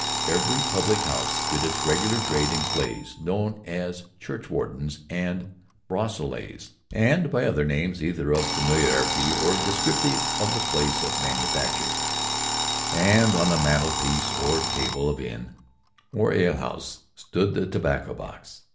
Every public house did its regular trade in clays, known as churchwardens and Broseleys, and by other names either of familiarity or descriptive of the place of manufacture; and on the mantelpiece or table of inn or ale house stood the tobacco box.